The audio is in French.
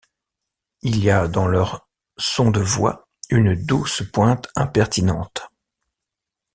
Il y a dans leur son de voix une douce pointe impertinente.